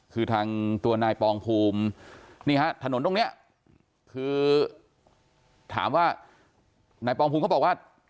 คือทางตัวนายปองภูมินี่ฮะถนนตรงนี้คือถามว่านายปองภูมิเขาบอกว่า